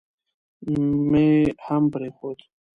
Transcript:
مې هم پرېښود.